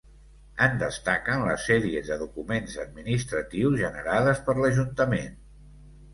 En destaquen les sèries de documents administratius generades per l'Ajuntament.